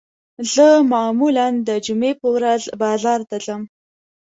زه معمولاً د جمعې په ورځ بازار ته ځم